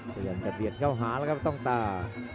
พยายามจะเบียดเข้าหาแล้วครับต้องตา